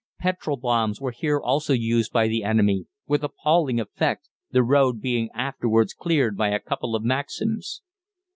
Petrol bombs were here also used by the enemy with appalling effect, the road being afterwards cleared by a couple of Maxims.